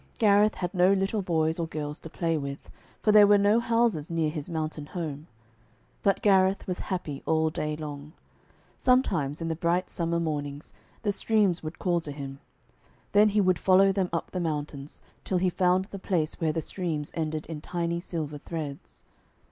Gareth had no little boys or girls to play with, for there were no houses near his mountain home. But Gareth was happy all day long. Sometimes in the bright summer mornings the streams would call to him. Then he would follow them up the mountains, till he found the place where the streams ended in tiny silver threads.